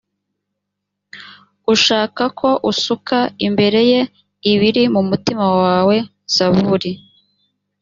ushaka ko usuka imbere ye ibiri mu mutima wawe zaburi